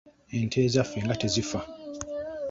Ente ezaffe nga tezifa.